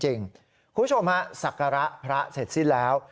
คุณผู้ชมฮะศักระพระเสร็จสิ้นแล้ว